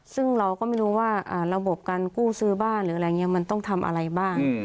ซึ่งเราก็ไม่รู้ว่าระบบการกู้ซื้อบ้านหรืออะไรอย่างนี้มันต้องทำอะไรบ้าง